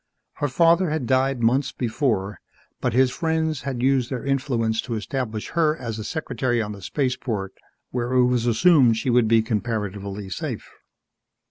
Her father had died months before but his friends had used their influence to establish her as a secretary on the spaceport where it was assumed she would be comparatively safe.